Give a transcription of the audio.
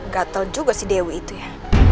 gatel juga si dewi itu ya